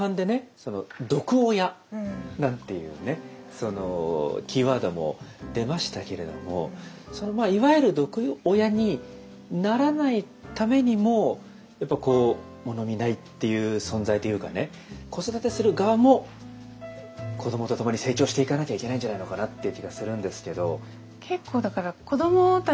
その毒親なんていうねキーワードも出ましたけれどもいわゆる毒親にならないためにもやっぱこう物見台っていう存在というかね子育てする側も子どもと共に成長していかなきゃいけないんじゃないのかなっていう気がするんですけど。